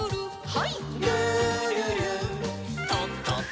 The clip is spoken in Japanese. はい。